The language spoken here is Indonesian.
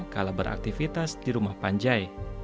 kala beraktivitas di rumah panjai